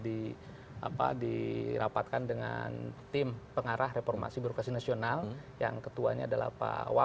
di apa dirapatkan dengan tim pengarah reformasi birokrasi nasional yang ketuanya adalah pak wawan